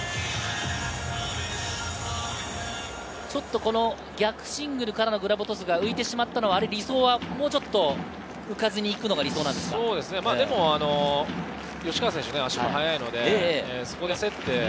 ちょっと逆シングルからのグラブトスが浮いてしまったのはもうちょっと浮かずに行くのが理想なんですか？